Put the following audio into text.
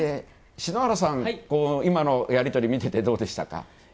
篠原さん、今のやり取り見ててどうでしたか？